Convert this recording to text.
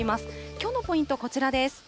きょうのポイント、こちらです。